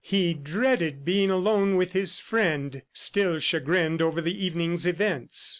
He dreaded being alone with his friend, still chagrined over the evening's events.